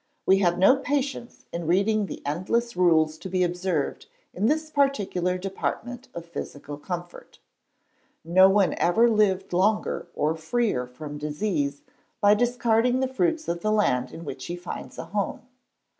We have no patience in reading the endless rules to be observed in this particular department of physical comfort. No one ever lived longer or freer from disease by discarding the fruits of the land in which he finds a home.